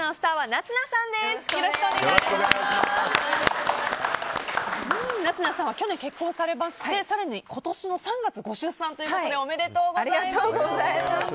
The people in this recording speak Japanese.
夏菜さんは去年結婚されまして更に今年の３月ご出産ということでおめでとうございます。